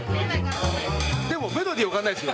でもメロディー分かんないです。